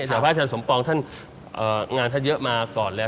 แต่พระอาจารย์สมปองท่านงานท่านเยอะมาก่อนแล้ว